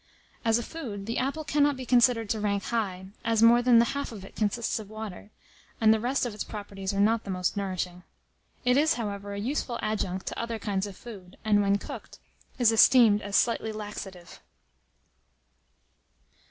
As a food, the apple cannot be considered to rank high, as more than the half of it consists of water, and the rest of its properties are not the most nourishing. It is, however, a useful adjunct to other kinds of food, and, when cooked, is esteemed as slightly laxative.